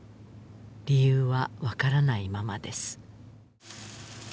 理由は分からないままです